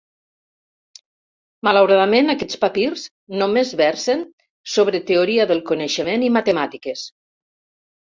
Malauradament, aquests papirs només versen sobre Teoria del Coneixement i Matemàtiques.